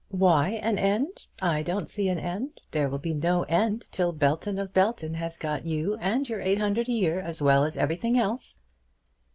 "Why an end? I don't see an end. There will be no end till Belton of Belton has got you and your eight hundred a year as well as everything else."